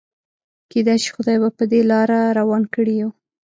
کيدای شي خدای به په دې لاره روان کړي يو.